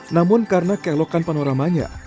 namun karena kelokan panoramanya